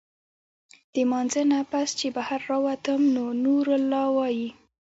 د مانځۀ نه پس چې بهر راووتم نو نورالله وايي